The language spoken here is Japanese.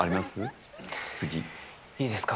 いいですか。